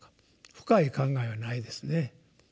深い考えはないですね。